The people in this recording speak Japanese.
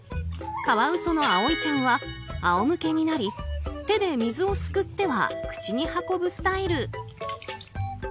カワウソの葵ちゃんは仰向けになり手で水をすくっては口に運ぶスタイル。